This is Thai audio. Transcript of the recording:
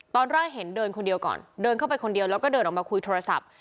ตอนแรกเห็นเดินคนเดียวก่อนเดินเข้าไปคนเดียวแล้วก็เดินออกมาคุยโทรศัพท์